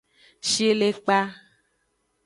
Shilekpa.